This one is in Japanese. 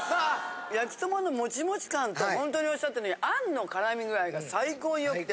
焼きそばのもちもち感とホントにおっしゃったように餡の絡み具合が最高に良くて。